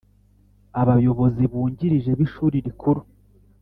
Abayobozi bungirije b Ishuri Rikuru